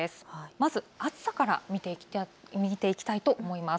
まずは暑さから見ていきたいと思います。